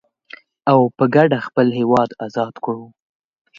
او په کډه خپل هيواد ازاد کړو.